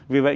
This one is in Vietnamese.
vì vậy chứ